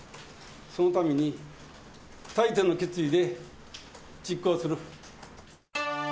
そのために、不退転の決意で実行する。